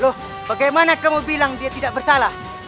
loh bagaimana kamu bilang dia tidak bersalah